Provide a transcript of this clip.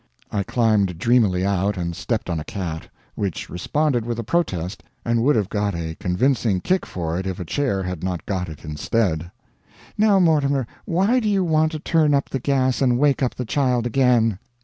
I climbed dreamily out, and stepped on a cat, which responded with a protest and would have got a convincing kick for it if a chair had not got it instead. "Now, Mortimer, why do you want to turn up the gas and wake up the child again?"